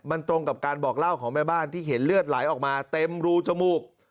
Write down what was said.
มันตรงกับการบอกเล่าของแม่บ้านที่เห็นเลือดไหลออกมาเต็มรูจมูก